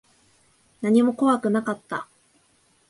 何も怖くなかった。